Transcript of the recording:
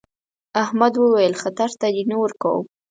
احمد وويل: خطر ته دې نه ورکوم.